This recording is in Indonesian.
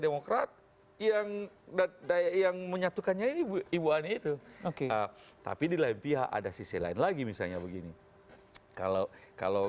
demokrat yang menyatukannya ibu ani itu tapi di pihak ada sisi lain lagi misalnya begini kalau